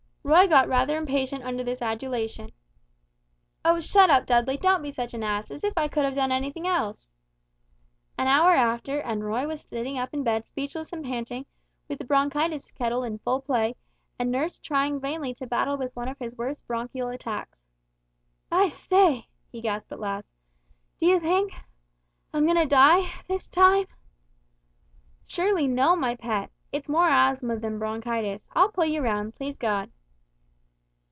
Roy got rather impatient under this adulation. "Oh, shut up, Dudley, don't be such an ass, as if I could have done anything else!" An hour after, and Roy was sitting up in bed speechless and panting, with the bronchitis kettle in full play, and nurse trying vainly to battle with one of his worst bronchial attacks. "I say " he gasped at last; "do you think I'm going to die this time?" "Surely no, my pet. It's more asthma than bronchitis; I'll pull you round, please God."